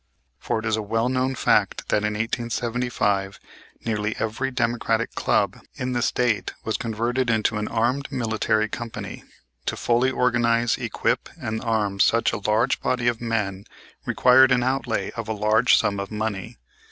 For it was a well known fact that in 1875 nearly every Democratic club in the State was converted into an armed military company. To fully organize, equip, and arm such a large body of men required an outlay of a large sum of money.